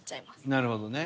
なるほどね。